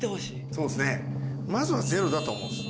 そうですねまずはゼロだと思うんです。